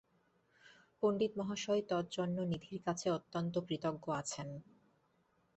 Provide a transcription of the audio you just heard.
পণ্ডিতমহাশয় তজ্জন্য নিধির কাছে অত্যন্ত কৃতজ্ঞ আছেন।